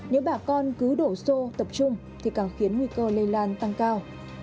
nếu bà con cứ đổ xô tập trung thì càng khiến nguy cơ lây lan tăng cao